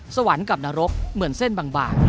สวรรค์กับนรกเหมือนเส้นบาง